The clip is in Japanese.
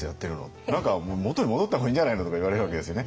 「元に戻った方がいいんじゃないの」とか言われるわけですよね。